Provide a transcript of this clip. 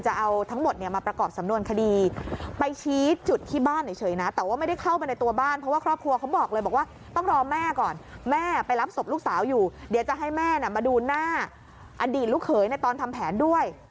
หน้าอดีตลูกเขยในตอนทำแผนด้วย